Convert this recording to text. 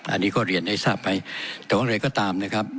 อันนี้ก็เรียนให้ทราบไปแต่ว่าอะไรก็ตามนะครับ